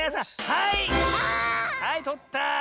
はいとった。